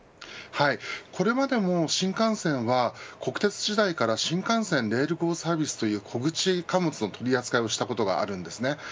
これまでも新幹線は国鉄時代から新幹線レールゴーサービスという小口貨物の取り扱いをしたことがあります。